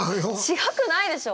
違くないでしょ。